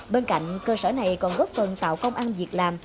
bên cạnh cơ sở này còn góp phần tạo công ăn việc làm